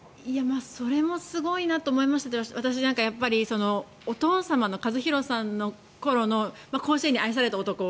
それもすごいなと思いましたが私、お父様の和博さんの頃の甲子園に愛された男。